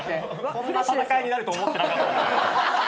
こんな戦いになると思ってなかった。